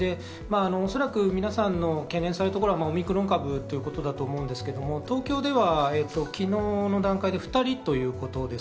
おそらく皆さんが懸念されるのはオミクロン株だと思うんですが、東京では昨日の段階で２人ということです。